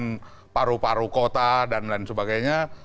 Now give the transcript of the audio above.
dengan paru paru kota dan lain sebagainya